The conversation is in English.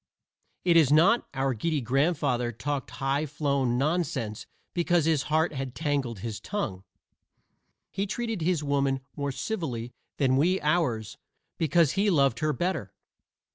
It is not; our giddy grandfather talked high flown nonsense because his heart had tangled his tongue. He treated his woman more civilly than we ours because he loved her better.